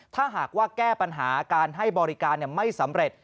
ถ้าหากว่าแก้ปัญหาการให้บริการไม่สำเร็จ